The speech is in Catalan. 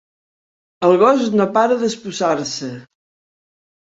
El gos no para d'espuçar-se.